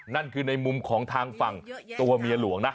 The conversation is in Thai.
นั่นคือในมุมของทางฝั่งตัวเมียหลวงนะ